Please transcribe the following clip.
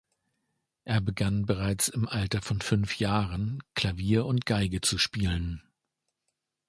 Er begann bereits im Alter von fünf Jahren Klavier und Geige zu spielen.